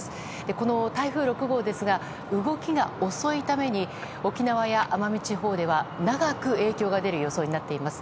この台風６号ですが動きが遅いために沖縄や奄美地方では長く影響が出る予想になっています。